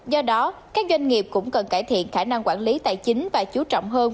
do đó các doanh nghiệp cũng cần cải thiện khả năng quản lý tài chính và chú trọng hơn